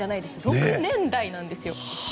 ６年代なんですよ。